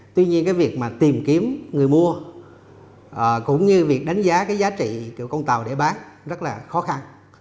tuy nhiên cái việc mà tìm kiếm người mua cũng như việc đánh giá cái giá trị của con tàu để bán rất là khó khăn